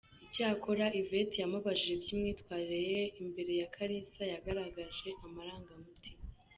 Icyakora Yvette yamubajije iby’imyitwarire ye imbere ya Kalisa yagaragaje amarangamutima.